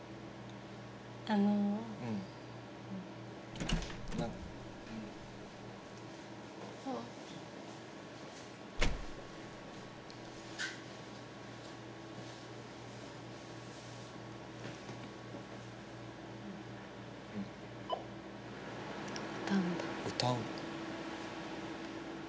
あのうん歌うんだ歌うの？